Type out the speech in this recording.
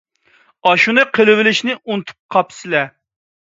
ئاشۇنى قىلىۋېلىشنى ئۇنتۇپ قاپسىلە!